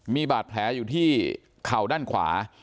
มีบาดแผลอยู่ที่เข่าด้านขวา